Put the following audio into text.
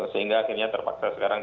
sehingga akhirnya terpaksa sekarang